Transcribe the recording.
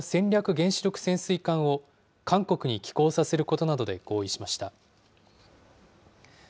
原子力潜水艦を韓国に寄港させることなどで合意しました。